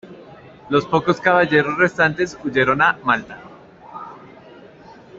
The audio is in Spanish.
Los pocos caballeros restantes huyeron a Malta.